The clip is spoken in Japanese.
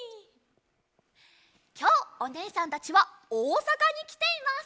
きょうおねえさんたちはおおさかにきています！